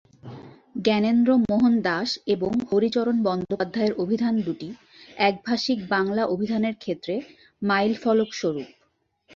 জ্ঞানেন্দ্রমোহন দাস এবং হরিচরণ বন্দ্যোপাধ্যায়ের অভিধান দুটি একভাষিক বাংলা অভিধানের ক্ষেত্রে মাইলফলক স্বরূপ।